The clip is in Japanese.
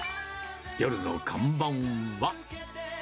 夜の看板は。